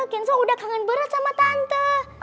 kinsa udah kangen berat sama tante